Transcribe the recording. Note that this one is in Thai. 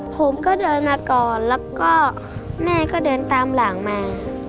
ผมก็เดินมาก่อนแล้วก็แม่ก็เดินตามหลังมา